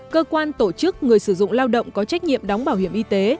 cơ quan tổ chức người sử dụng lao động có trách nhiệm đóng bảo hiểm y tế